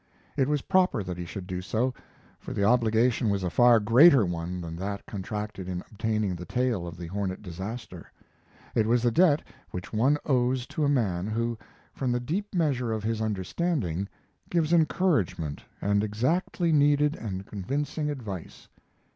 It was proper that he should do so, for the obligation was a far greater one than that contracted in obtaining the tale of the Hornet disaster. It was the debt which one owes to a man who, from the deep measure of his understanding, gives encouragement and exactly needed and convincing advice.